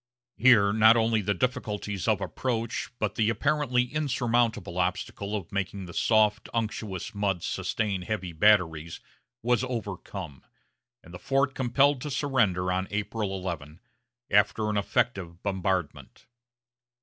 Here not only the difficulties of approach, but the apparently insurmountable obstacle of making the soft, unctuous mud sustain heavy batteries, was overcome, and the fort compelled to surrender on April 11, after an effective bombardment.